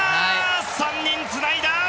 ３人つないだ！